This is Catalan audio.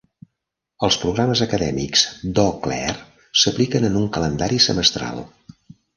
Els programes acadèmics d'Eau Claire s'apliquen en un calendari semestral.